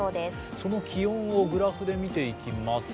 その気温をグラフで見ていきます。